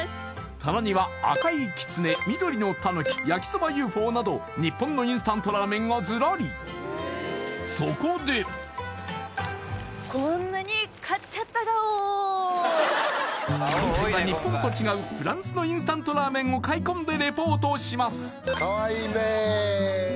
棚には赤いきつね緑のたぬき焼そばＵ．Ｆ．Ｏ．など日本のインスタントラーメンがずらり今回は日本と違うフランスのインスタントラーメンを買い込んでレポートします